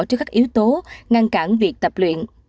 cho các yếu tố ngăn cản việc tập luyện